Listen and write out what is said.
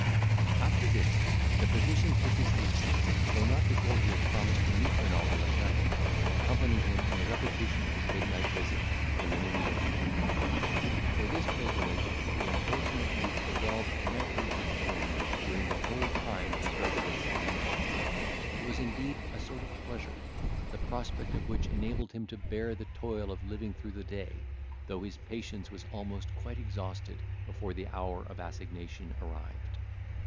After dinner, the physician took his leave, though not before he had promised to meet Renaldo at night, and accompany him in the repetition of his midnight visit to Monimia's tomb; for this pilgrimage the unfortunate youth resolved nightly to perform during the whole time of his residence in England. It was, indeed, a sort of pleasure, the prospect of which enabled him to bear the toil of living through the day, though his patience was almost quite exhausted before the hour of assignation arrived.